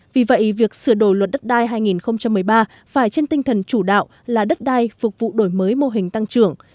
vì vậy việc sửa đổi luật đất đai hai nghìn một mươi ba phải trên tinh thần chủ đạo là đất đai phục vụ đổi mới mô hình tăng trưởng